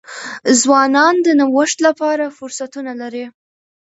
ځوانان د نوښت لپاره فرصتونه لري.